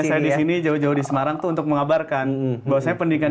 saya di sini jauh jauh di semarang tuh untuk mengabarkan bahwa saya pendidikan